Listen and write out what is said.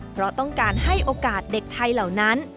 เพราะต้องการให้โอกาสเด็กไทยเหล่านั้น